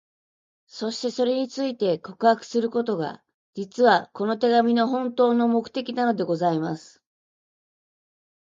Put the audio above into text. そして、それについて、告白することが、実は、この手紙の本当の目的なのでございます。